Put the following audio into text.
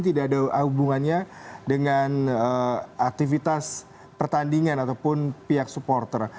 tidak ada hubungannya dengan aktivitas pertandingan ataupun pihak supporter